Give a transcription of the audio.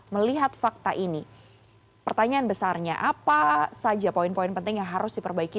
melihat fakta ini pertanyaan besarnya apa saja poin poin penting yang harus diperbaiki